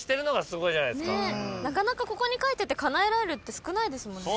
なかなかここに書いててかなえられるって少ないですもんね。